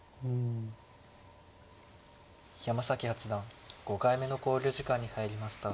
山崎八段５回目の考慮時間に入りました。